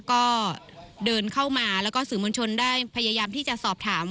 ก็เดินเข้ามาแล้วก็สื่อมวลชนได้พยายามที่จะสอบถาม